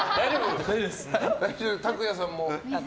拓弥さんも？